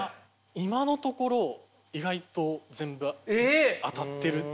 今のところ意外と全部当たっているという。